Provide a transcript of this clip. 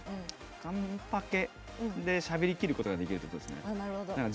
完パケでしゃべりきることができるってことですね。